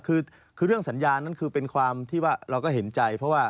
คือเรื่องสัญญานั้นคือเป็นความที่ว่าเราก็เห็นใจเพราะว่า